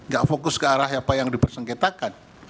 gak fokus ke arah apa yang dipersengketakan